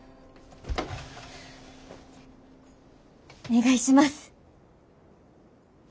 お願いします。